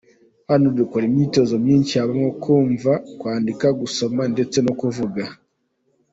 Hano dukora imyitozo myinshi haba kumva, kwandika, gusoma ndetse no kuvuga.